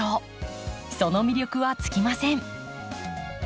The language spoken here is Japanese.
その魅力は尽きません。